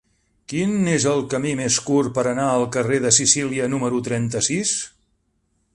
Quin és el camí més curt per anar al carrer de Sicília número trenta-sis?